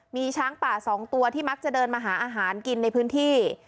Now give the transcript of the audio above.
มีช้างป่า๒ตัวที่มักจะเดินมาหาอาหารกินในพื้นที่